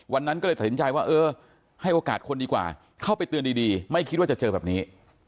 วันนั้นก็เลยตัดสินใจว่าเออให้โอกาสคนดีกว่าเข้าไปเตือนดีไม่คิดว่าจะเจอแบบนี้